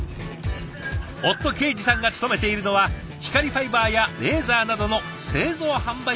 夫恵司さんが勤めているのは光ファイバーやレーザーなどの製造販売会社。